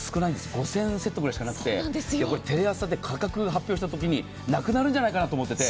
５０００セットくらいしかなくてテレ朝で価格を発表した時になくなるんじゃないかなと思ってて。